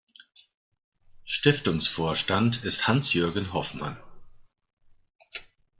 Stiftungsvorstand ist Hans-Jürgen Hoffmann.